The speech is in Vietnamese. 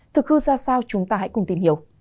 thực hư ra sao chúng ta hãy cùng tìm hiểu